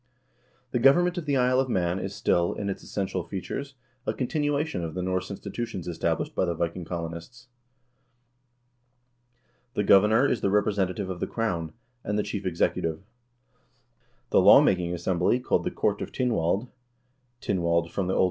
3 The government of the Isle of Man is still, in its essential features, a continuation of the Norse institutions established by the Viking colonists. The governor is the representative of the crown, and the chief executive. The law making assembly, called the Court of Tynwald (Tynwald < O. N.